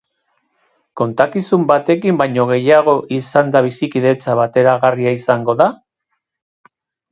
Kontakizun batekin baino gehiago izanda bizikidetza bateragarria izango da?